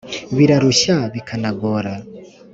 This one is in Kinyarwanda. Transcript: birarushya bikanagora